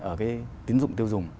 ở cái tín dụng tiêu dùng